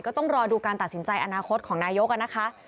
ก็ต้องรอดูการตัดสินใจอนาคตของนายกนะคะ